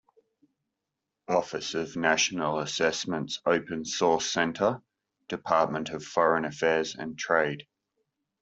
Office of National Assessments Open Source Centre, Department of Foreign Affairs and Trade.